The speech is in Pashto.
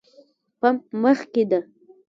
پمپ مخکې ده